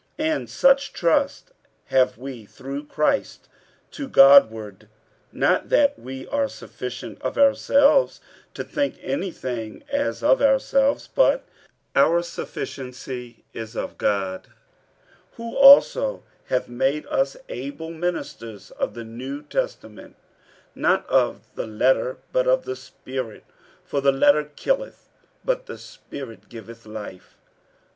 47:003:004 And such trust have we through Christ to God ward: 47:003:005 Not that we are sufficient of ourselves to think any thing as of ourselves; but our sufficiency is of God; 47:003:006 Who also hath made us able ministers of the new testament; not of the letter, but of the spirit: for the letter killeth, but the spirit giveth life.